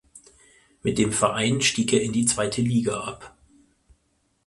Mit dem Verein stieg er in die Zweite Liga ab.